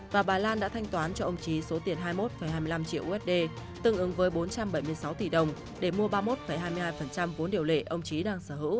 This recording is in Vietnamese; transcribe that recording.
và bà lan đã thanh toán cho ông trí số tiền hai mươi một hai mươi năm triệu usd tương ứng với bốn trăm bảy mươi sáu tỷ đồng để mua ba mươi một hai mươi hai